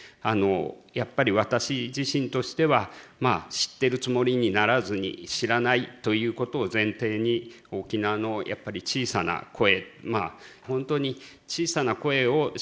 やっぱり私自身としては知ってるつもりにならずに知らないということを前提に沖縄のやっぱり小さな声。